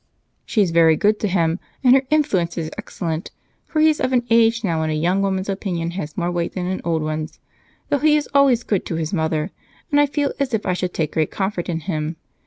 "She's very good to him, and her influence is excellent, for he is of an age now when a young woman's opinion has more weight than an old one's. Though he is always good to his mother, and I feel as if I should take great comfort in him.